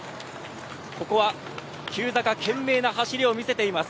ここは急坂、懸命な走りを見せています。